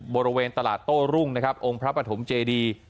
บริเวณตลาดโต้รุ่งนะครับองค์พระปฐมเจดี